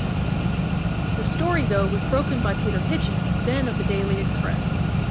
The story though was broken by Peter Hitchens, then of the "Daily Express".